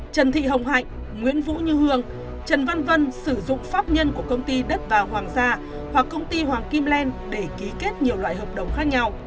trần thị hồng hạnh nguyễn vũ như hương trần văn vân sử dụng pháp nhân của công ty đất vàng hoàng gia hoặc công ty hoàng kim len để ký kết nhiều loại hợp đồng khác nhau